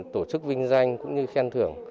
tổ chức vinh danh cũng như khen thưởng